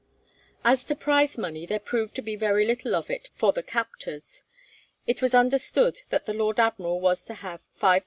As to prize money, there proved to be very little of it for the captors. It was understood that the Lord Admiral was to have 5,000_l.